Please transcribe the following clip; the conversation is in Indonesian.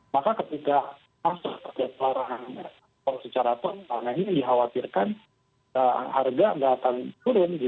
maka ketika masuk ke pergerakan secara penanganan ini dikhawatirkan harga tidak akan turun